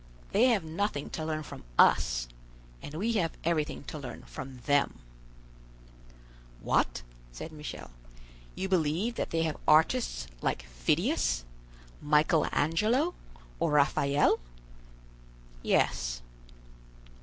They have nothing to learn from us, and we have everything to learn from them." "What!" said Michel; "you believe that they have artists like Phidias, Michael Angelo, or Raphael?" "Yes."